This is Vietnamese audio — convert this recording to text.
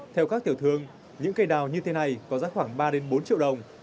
theo các tiểu thương những cây đào như thế này có giá khoảng ba bốn triệu đồng